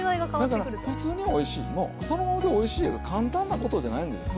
だからふつうにおいしいものをそのままでおいしいいう簡単なことじゃないんです。